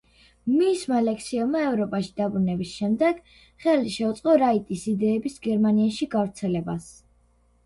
მისმა ლექციებმა, ევროპაში დაბრუნების შემდეგ, ხელი შეუწყო რაიტის იდეების გერმანიაში გავრცელებას.